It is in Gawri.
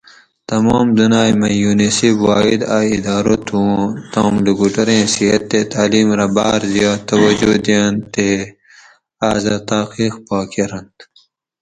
تمام دنائے مئی یونیسیف واحد ا ادارہ تھو اوں تام لوکوٹوریں صحت تے تعلیم رہ باۤر زیات توجہ دئینت ٹے آۤس رہ تحقیق پا کۤرنت